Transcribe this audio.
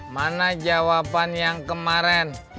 mana jawaban yang kemaren